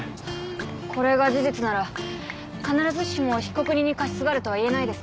これが事実なら必ずしも被告人に過失があるとはいえないですね。